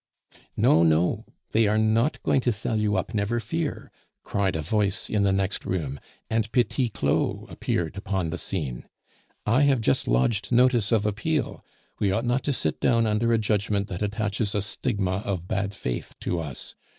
"No, no, they are not going to sell you up, never fear," cried a voice in the next room, and Petit Claud appeared upon the scene. "I have just lodged notice of appeal. We ought not to sit down under a judgment that attaches a stigma of bad faith to us.